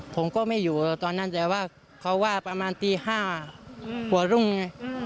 ผมก็ไม่อยู่ตอนนั้นแต่ว่าเขาว่าประมาณตี๕หัวรุ่งไง